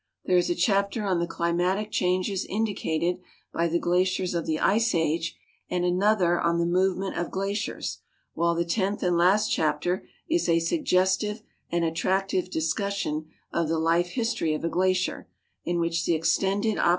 There is a cliai)ter on the climatic changes imlicated by the glaciers of the Ice Age and another on the movement of glaciers, while the tenth and last chapter is a suggestive and attractive discussion of the life history of a glacier, in which the extended ob.